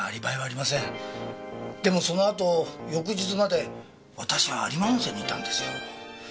でもそのあと翌日まで私は有馬温泉にいたんですよ。